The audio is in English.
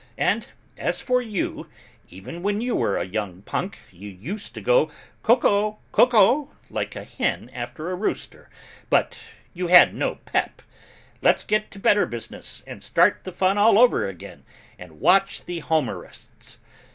And as for you, even when you were a young punk you used to go 'Co co co co,' like a hen after a rooster, but you had no pep. Let's get to better business and start the fun all over again and watch the Homerists."